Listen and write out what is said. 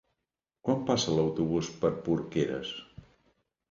Quan passa l'autobús per Porqueres?